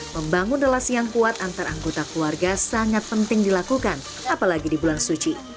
membangun relasi yang kuat antar anggota keluarga sangat penting dilakukan apalagi di bulan suci